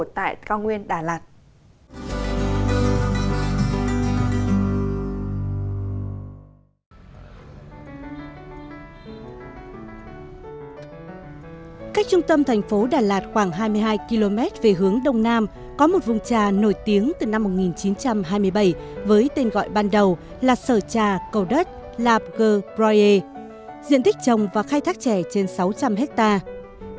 trong thành phố đà lạt khoảng hai mươi hai km về hướng đông nam có một vùng trà nổi tiếng từ năm một nghìn chín trăm hai mươi bảy với tên gọi ban đầu là sở trà cầu đất lạp g broye diện tích trồng và khai thác trẻ trên sáu trăm linh hectare